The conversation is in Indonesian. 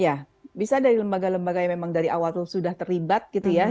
iya bisa dari lembaga lembaga yang memang dari awal sudah terlibat gitu ya